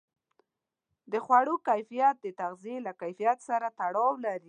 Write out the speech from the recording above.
د خوړو کیفیت د تغذیې له کیفیت سره تړاو لري.